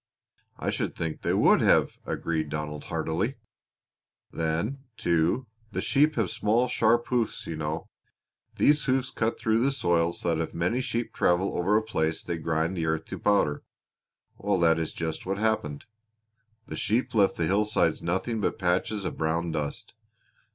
"I should think they would have!" agreed Donald heartily. "Then, too, the sheep have small, sharp hoofs, you know; these hoofs cut through the soil so that if many sheep travel over a place they grind the earth to powder. Well, that is just what happened. The sheep left the hillsides nothing but patches of brown dust.